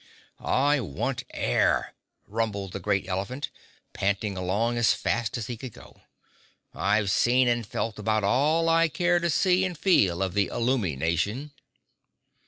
"I want air," rumbled the great elephant, panting along as fast as he could go. "I've seen and felt about all I care to see and feel of the Illumi Nation."